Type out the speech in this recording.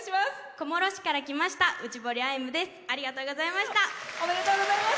小諸市から来ましたうちぼりです。